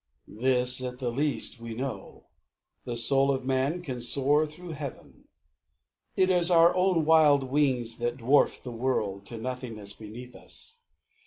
This at the least We know, the soul of man can soar through heaven. It is our own wild wings that dwarf the world To nothingness beneath us.